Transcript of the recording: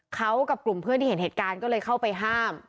เขากับกลุ่มเพื่อนที่เห็นเหตุการณ์ก็เลยเข้าไปห้าม